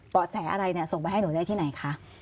แสอะไรเนี่ยส่งไปให้หนูได้ที่ไหนคะ